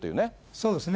そうですね。